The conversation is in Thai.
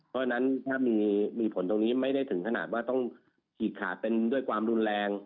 เพราะฉะนั้นถ้ามีผลตรงนี้ไม่ได้ถึงขนาดว่าต้องฉีกขาดเป็นด้วยความรุนแรง